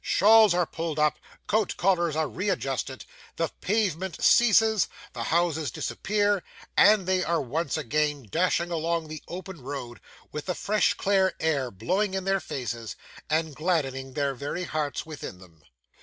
Shawls are pulled up, coat collars are readjusted, the pavement ceases, the houses disappear; and they are once again dashing along the open road, with the fresh clear air blowing in their faces, and gladdening their very hearts within them.